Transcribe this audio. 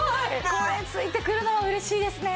これ付いてくるのは嬉しいですね。